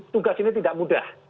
tugas ini tidak mudah